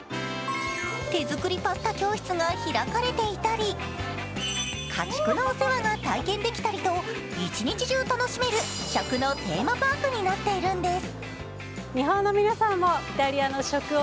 手作りパスタ教室が開かれていたり家畜のお世話が体験できたりと一日中楽しめる食のテーマパークになっているんです。